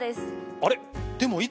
あれ？